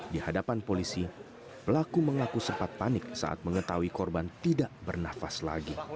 di hadapan polisi pelaku mengaku sempat panik saat mengetahui korban tidak bernafas lagi